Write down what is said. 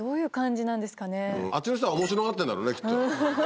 あっちの人は面白がってんだろうねきっと。